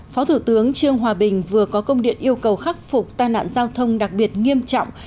phó thủ tướng trương hòa bình vừa có công điện yêu cầu khắc phục tai nạn giao thông đặc biệt nghiêm trọng